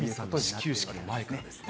始球式の前からですね。